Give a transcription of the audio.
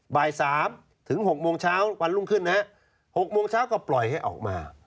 บ่าย๓ถึง๖โมงเช้าวันรุ่งขึ้นนะฮะ๖โมงเช้าก็ปล่อยให้ออกมา